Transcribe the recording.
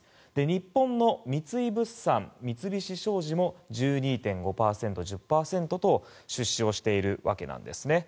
日本の三井物産、三菱商事も１２．５％、１０％と出資をしているわけなんです。